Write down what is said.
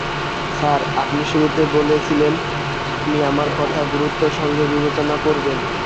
Sir, আপনি শুরুতে বলেছিলেন, আপনি আমার কথা গুরুত্বের সঙ্গে বিবেচনা করবেন।